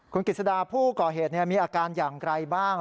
คุณกิจสดาผู้ก่อเหตุมีอาการอย่างไรบ้าง